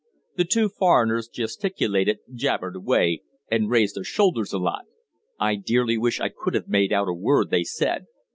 The two foreigners gesticulated, jabbered away, and raised their shoulders a lot. I dearly wish I could have made out a word they said.